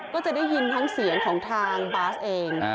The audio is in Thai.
ก็จะได้ยินทั้งเสียงของทางบาสเอง